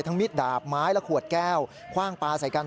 มิดดาบไม้และขวดแก้วคว่างปลาใส่กัน